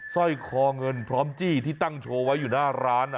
สร้อยคอเงินพร้อมจี้ที่ตั้งโชว์ไว้อยู่หน้าร้าน